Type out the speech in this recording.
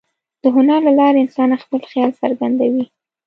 د هنر له لارې انسان خپل خیال څرګندوي.